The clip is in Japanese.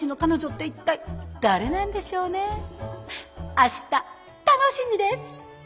明日楽しみです！